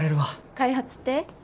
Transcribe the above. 開発って？